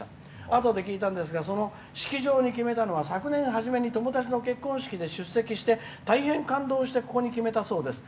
あとで聞いたんですがその式場に決めたのは昨年初めに友達の結婚式に出席して大変、感動してここに決めたそうです。